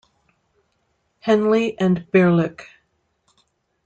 Henley, and Birlec.